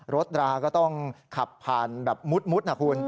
ราก็ต้องขับผ่านแบบมุดนะคุณ